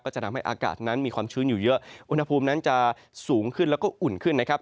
จะทำให้อากาศนั้นมีความชื้นอยู่เยอะอุณหภูมินั้นจะสูงขึ้นแล้วก็อุ่นขึ้นนะครับ